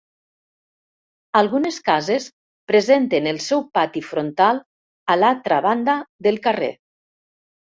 Algunes cases presenten el seu pati frontal a l'altra banda del carrer.